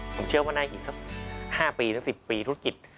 ผมเชื่อว่าในอีกสัก๕๑๐ปีธุรกิจ